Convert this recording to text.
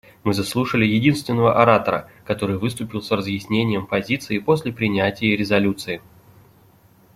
Мы заслушали единственного оратора, который выступил с разъяснением позиции после принятии резолюции.